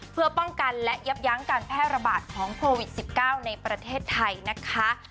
เพื่อป้องกันและยับยั้งการแพร่ระบาดของโควิด๑๙ในประเทศไทยนะคะ